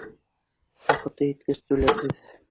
Ваҡыты еткәс түләрбеҙ.